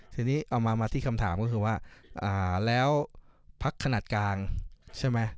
ทีนี้เอามาที่คำถามก็คือว่าแล้วพักขนาดกลางใช่ไหม